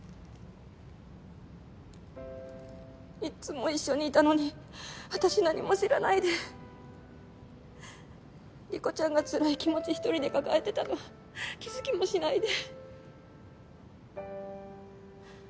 いつも一緒にいたのに私何も知らないで理子ちゃんがつらい気持ちひとりで抱えてたの気づきもしないで。